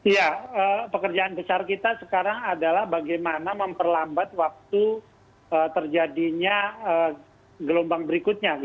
ya pekerjaan besar kita sekarang adalah bagaimana memperlambat waktu terjadinya gelombang berikutnya